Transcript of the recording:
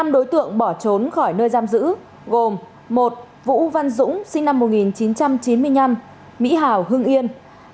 năm đối tượng bỏ trốn khỏi nơi giam giữ gồm một vũ văn dũng sinh năm một nghìn chín trăm chín mươi năm mỹ hào hưng yên